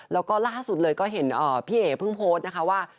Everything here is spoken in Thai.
แล้วก็ล่าสุดเลยก็เห็นพี่เอ๋เพิ่งโพสต์นะคะว่า